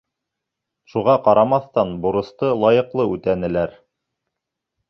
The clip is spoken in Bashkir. Шуға ҡарамаҫтан, бурысты лайыҡлы үтәнеләр.